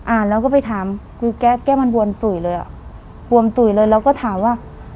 อ่านแล้วก็ไปถามกูแก้แก้มันบวมตุ๋ยเลยอ่ะบวมตุ๋ยเลยเราก็ถามว่า